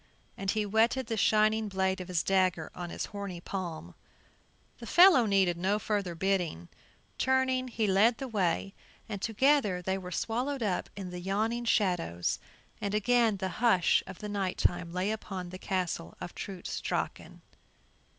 And he whetted the shining blade of his dagger on his horny palm. The fellow needed no further bidding; turning, he led the way, and together they were swallowed up in the yawning shadows, and again the hush of night time lay upon the Castle of Trutz Drachen.